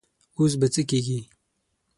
اوس به څه کيږي؟